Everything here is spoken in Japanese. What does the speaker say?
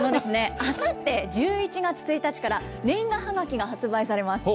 あさって１１月１日から年賀はがきが発売されます。